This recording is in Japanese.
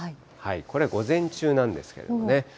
これは午前中なんですけれどもね。